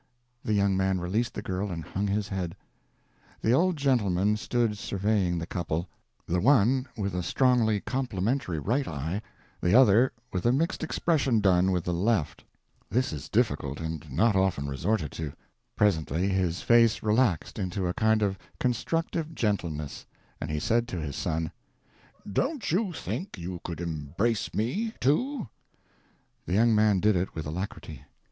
The young man released the girl and hung his head. p266.jpg (21K) The old gentleman stood surveying the couple—the one with a strongly complimentary right eye, the other with a mixed expression done with the left. This is difficult, and not often resorted to. Presently his face relaxed into a kind of constructive gentleness, and he said to his son: "Don't you think you could embrace me, too?" The young man did it with alacrity.